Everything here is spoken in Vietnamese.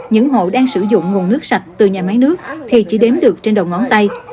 những hộ đang sử dụng nguồn nước sạch từ nhà máy nước thì chỉ đếm được trên đầu ngón tay